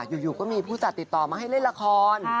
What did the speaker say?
อยู่ก็มีผู้จัดติดต่อมาให้เล่นละคร